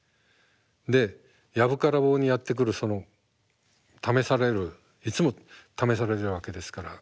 で藪から棒にやって来るその試されるいつも試されるわけですから。